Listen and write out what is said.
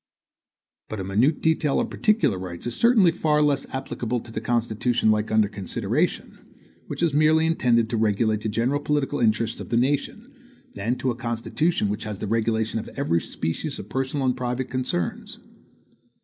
But a minute detail of particular rights is certainly far less applicable to a Constitution like that under consideration, which is merely intended to regulate the general political interests of the nation, than to a constitution which has the regulation of every species of personal and private concerns.